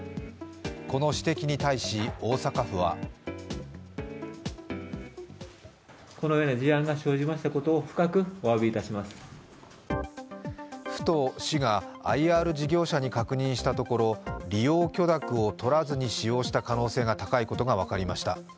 この指摘に対し、大阪府は府と市がＩＲ事業者に確認したところ、利用許諾をとらずに使用した可能性が高いことが分かりました。